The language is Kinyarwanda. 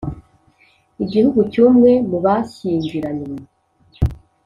Igihugu cy umwe mu bashyingiranywe